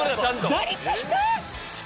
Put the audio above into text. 打率低っ！